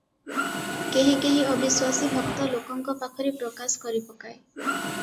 କେହି କେହି ଅବିଶ୍ୱାସୀ ଭକ୍ତ ଲୋକଙ୍କ ପାଖରେ ପ୍ରକାଶ କରି ପକାଏ ।